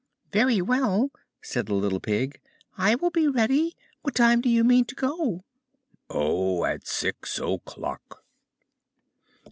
"Very well," said the little Pig, "I will be ready. What time do you mean to go?" "Oh, at six o'clock."